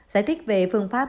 giải thích về phương pháp